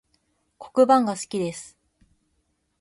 黒板が好きです